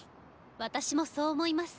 私もそう思います。